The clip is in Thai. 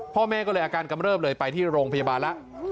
พ่อแม่ก็เลยอาการกำเริบเลยไปที่โรงพยาบาลแล้ว